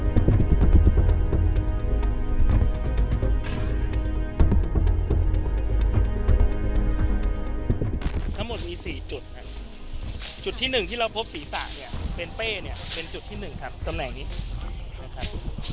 ทั้งหมดมีสี่จุดนะจุดที่หนึ่งที่เราพบศรีษะเนี้ยเป็นเป้เนี้ยเป็นจุดที่หนึ่งครับตำแหล่งนี้นะครับ